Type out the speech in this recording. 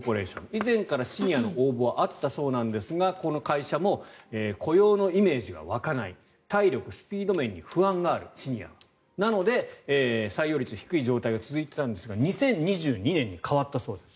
以前からシニアの応募はあったそうなんですがこの会社も雇用のイメージが湧かないシニアの体力・スピード面に不安があるなので、採用率が低い状態が続いていたんですが２０２２年に変わったそうです。